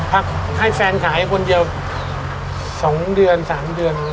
เฮ้ยให้แซนขายคนเดียว๒๓เดือน